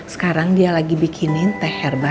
sekarang dia lagi bikinin teh herba